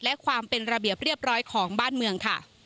และความเป็นระเบียบเรียบร้อยของบ้านเมืองค่ะ